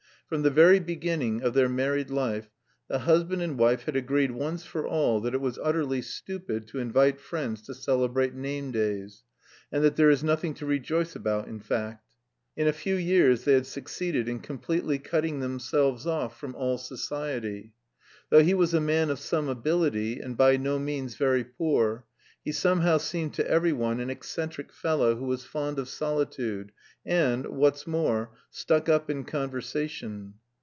From the very beginning of their married life the husband and wife had agreed once for all that it was utterly stupid to invite friends to celebrate name days, and that "there is nothing to rejoice about in fact." In a few years they had succeeded in completely cutting themselves off from all society. Though he was a man of some ability, and by no means very poor, he somehow seemed to every one an eccentric fellow who was fond of solitude, and, what's more, "stuck up in conversation."